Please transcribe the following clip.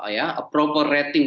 ya proper rating